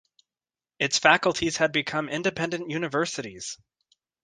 Its faculties had become independent universities.